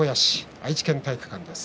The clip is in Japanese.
愛知県体育館です。